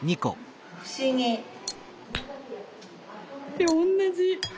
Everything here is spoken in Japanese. えっおんなじ。